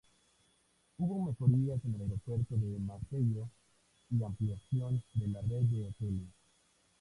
Hubo mejorías en el aeropuerto de Maceió y ampliación de la red de hoteles.